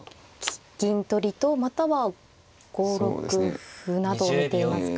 銀取りとまたは５六歩などを見ていますか？